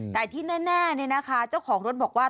แต่ที่แน่เนี่ยนะคะเจ้าของรถบอกว่า